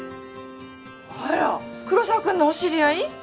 あらっ黒澤君のお知り合い？